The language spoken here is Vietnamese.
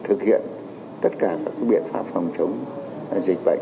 thực hiện tất cả các biện pháp phòng chống dịch bệnh